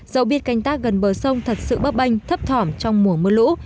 dẫu biết canh tác gần bờ sông thật sự bấp banh thấp thỏm trong mùa mưa lũ